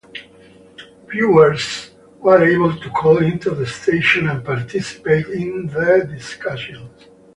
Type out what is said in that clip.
Viewers were able to call into the station and participate in the discussions.